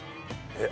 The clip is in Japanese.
えっ？